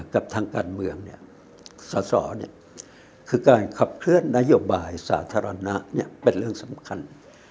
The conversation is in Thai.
กับทางการเมืองเนี่ยสอสอคือการขับเคลื่อนนโยบายสาธารณะเป็นเรื่องสำคัญ